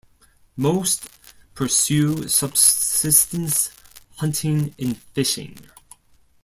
Most pursue subsistence hunting and fishing.